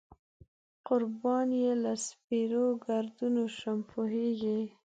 قربان یې له سپېرو ګردونو شم، پوهېږې.